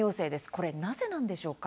これなぜなんでしょうか？